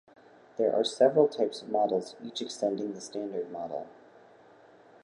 There are several types of models, each extending the Standard Model.